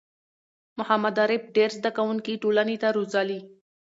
محمد عارف ډېر زده کوونکی ټولنې ته روزلي